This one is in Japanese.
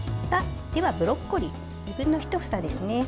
ブロッコリー、２分の１房ですね。